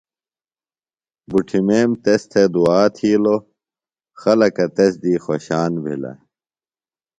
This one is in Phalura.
بُٹھِمیم تس تھےۡ دُعا تھِیلوۡ۔ خلکہ تس دیۡ خوشان بھِلہ۔